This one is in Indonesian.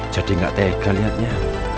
jadi gak tega liatnya